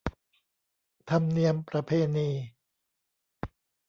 ธรรมเนียมประเพณี